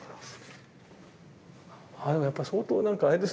ああでもやっぱ相当何かあれですね